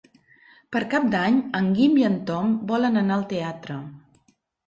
Per Cap d'Any en Guim i en Tom volen anar al teatre.